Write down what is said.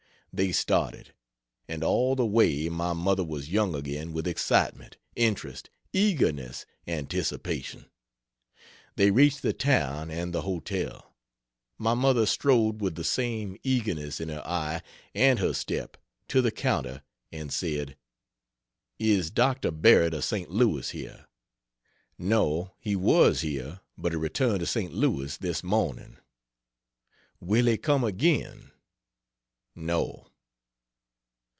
They started; and all the way my mother was young again with excitement, interest, eagerness, anticipation. They reached the town and the hotel. My mother strode with the same eagerness in her eye and her step, to the counter, and said: "Is Dr. Barrett of St. Louis, here?" "No. He was here, but he returned to St. Louis this morning." "Will he come again?" "No."